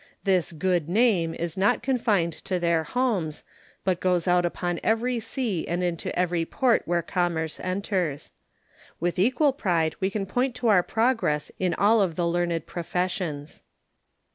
This "good name" is not confined to their homes, but goes out upon every sea and into every port where commerce enters. With equal pride we can point to our progress in all of the learned professions.